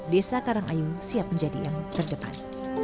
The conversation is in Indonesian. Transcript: desa karangayu siap menjadi yang terdepan